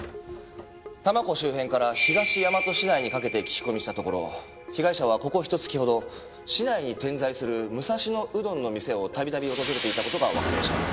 多摩湖周辺から東大和市内にかけて聞き込みしたところ被害者はここひと月ほど市内に点在する武蔵野うどんの店を度々訪れていた事がわかりました。